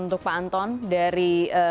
untuk pak anton dari